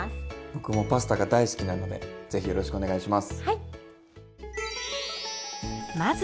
僕もパスタが大好きなのでぜひよろしくお願いします。